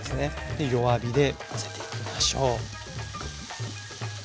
で弱火で混ぜていきましょう。